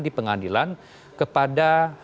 di pengadilan kepada